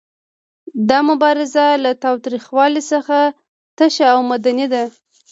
دا مبارزه له تاوتریخوالي څخه تشه او مدني ده.